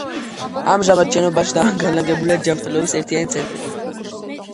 ამჟამად შენობაში განლაგებულია ჯანმრთელობის ერთიანი ცენტრი.